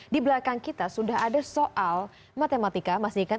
di belakang kita sudah ada soal matematika